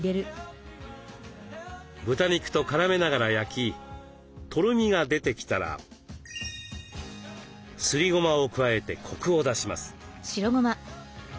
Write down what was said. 豚肉と絡めながら焼きとろみが出てきたらすりごまを加えてコクを出します。